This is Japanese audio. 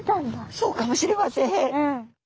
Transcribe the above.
そうかもしれません。